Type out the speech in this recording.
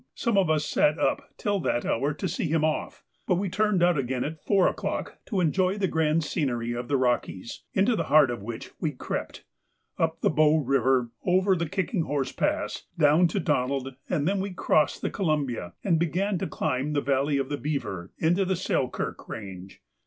some of us sat up till that hour to see him off, but we turned out again at four o'clock to enjoy the grand scenery of the Rockies, into the heart of which we crept, up the Bow River, over the Kicking Horse Pass, down to Donald, and then we crossed the Columbia, and began to climb up the valley of the Beaver into the Selkirk range.